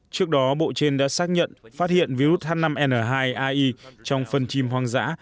trước đó bộ trên đã xác nhận phát hiện virus h năm n hai ai trong phân chim hoang dã